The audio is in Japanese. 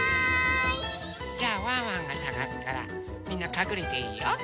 じゃあワンワンがさがすからみんなかくれていいよ。